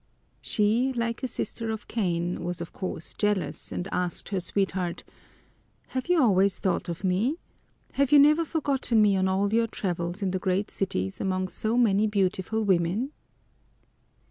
She, like a sister of Cain, was of course jealous and asked her sweetheart, "Have you always thought of me? Have you never forgotten me on all your travels in the great cities among so many beautiful women?"